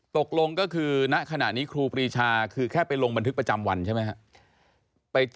ตกลงก็คือณขณะนี้ครูปรีชาคือแค่ไปลงบันทึกประจำวันใช่ไหมครับ